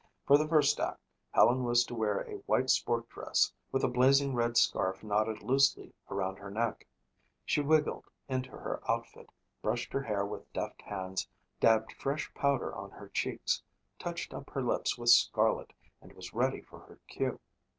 For the first act Helen was to wear a white sport dress with a blazing red scarf knotted loosely around her neck. She wiggled into her outfit, brushed her hair with deft hands, dabbed fresh powder on her cheeks, touched up her lips with scarlet and was ready for her cue.